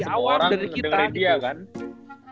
semua orang dengerin dia kan